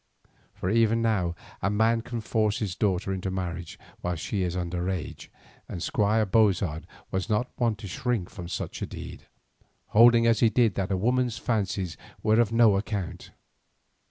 For even now a man can force his daughter into marriage while she is under age, and Squire Bozard was not one to shrink from such a deed, holding as he did that a woman's fancies were of no account.